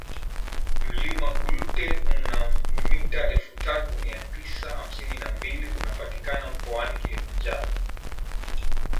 Mlima Klute una mita elfu tatu mia tisa hamsini na mbili unapatikana mkoani Kilimanjaro